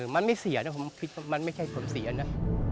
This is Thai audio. มันไม่เสียนะผมคิดว่ามันไม่ใช่ผลเสียนะ